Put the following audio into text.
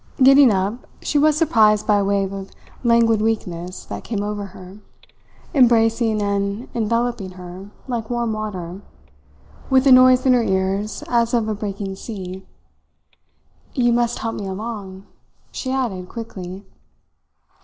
Getting up, she was surprised by a wave of languid weakness that came over her, embracing and enveloping her like warm water, with a noise in her ears as of a breaking sea. "You must help me along," she added quickly.